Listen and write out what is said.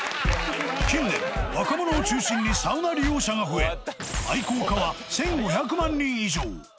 近年、若者を中心にサウナ利用者が増え、愛好家は１５００万人以上。